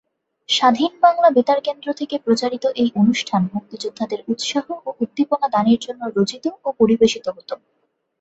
স্বাধীন বাংলা বেতার কেন্দ্র থেকে প্রচারিত এই অনুষ্ঠান মুক্তিযোদ্ধাদের উৎসাহ ও উদ্দীপনা দানের জন্য রচিত ও পরিবেশিত হতো।